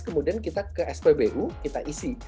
kemudian kita ke spbu kita isi